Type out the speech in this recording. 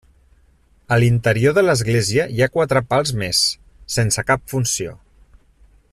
A l'interior de l'església hi ha quatre pals més, sense cap funció.